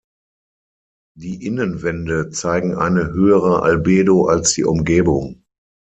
Die Innenwände zeigen eine höhere Albedo als die Umgebung.